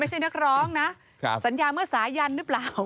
ไม่ใช่นักร้องนะสัญญาเมื่อสายันหรือเปล่า